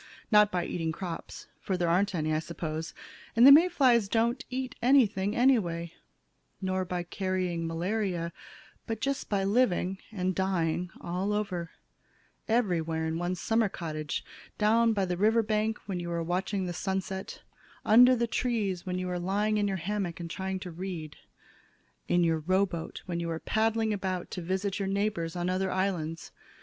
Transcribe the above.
Not by eating crops for there aren't any, I suppose, and the May flies don't eat anything anyway nor by carrying malaria, but just by living and dying all over; everywhere in one's summer cottage, down on the river bank where you are watching the sunset, under the trees when you are lying in your hammock and trying to read, in your rowboat when you are paddling about to visit your neighbors on other islands.